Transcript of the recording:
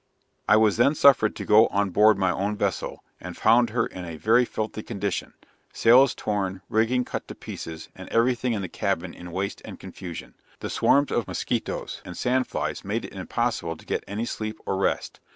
I was then suffered to go on board my own vessel, and found her in a very filthy condition; sails torn, rigging cut to pieces, and every thing in the cabin in waste and confusion. The swarms of moschetoes and sand flies made it impossible to get any sleep or rest.